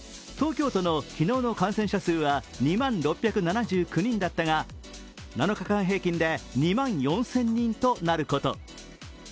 東京都の昨日の感染者数は２万６７９人だったが７日間平均で２万４０００人となること。